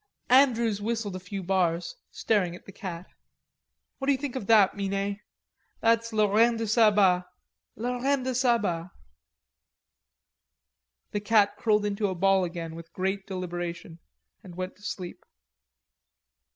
Andrews whistled a few bars, staring at the cat. "What d'you think of that, Minet? That's la reine de Saba... la reine de Saba." The cat curled into a ball again with great deliberation and went to sleep.